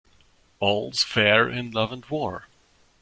All's fair in love and war.